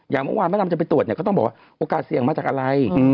อย่างเมื่อวานมะดำจะไปตรวจเนี่ยก็ต้องบอกว่าโอกาสเสี่ยงมาจากอะไร